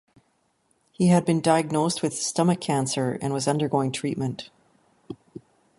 He had been diagnosed with stomach cancer, and was undergoing treatment.